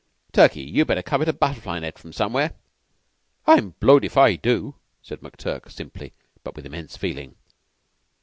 Turkey, you'd better covet a butterfly net from somewhere." "I'm blowed if I do," said McTurk, simply, with immense feeling.